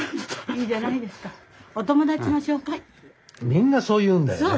みんなそう言うんだよね。